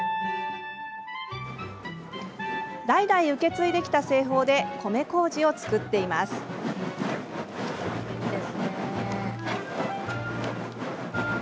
代々受け継いできた製法で米こうじを造っています。